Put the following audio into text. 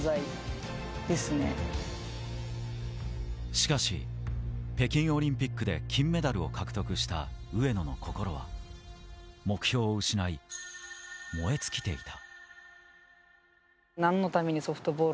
しかし、北京オリンピックで金メダルを獲得した上野の心は、目標を失い燃え尽きていた。